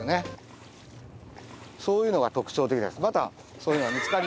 そういうのが特徴的です。